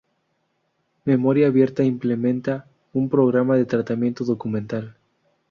Memoria Abierta implementa un programa de tratamiento documental.